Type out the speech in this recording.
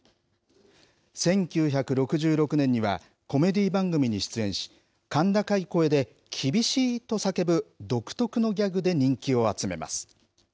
１９６６年にはコメディー番組に出演し甲高い声でキビシーッと叫ぶ独特のギャグで人気を集めます。